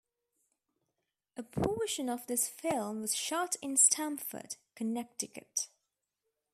A portion of this film was shot in Stamford, Connecticut.